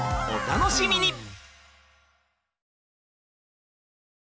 お楽しみに！